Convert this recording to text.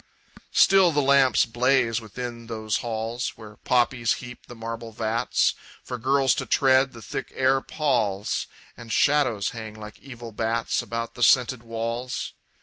Still the lamps blaze within those halls, Where poppies heap the marble vats For girls to tread; the thick air palls; And shadows hang like evil bats About the scented walls.